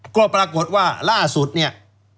ก็ปรากฏว่าล่าสุดเนี่ย